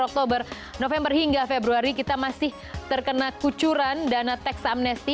oktober november hingga februari kita masih terkena kucuran dana teks amnesti